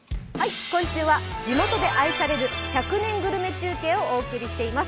今週は「地元で愛される１００年グルメ中継」をお送りしています。